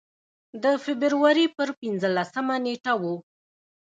د فبروري پر پنځلسمه نېټه و.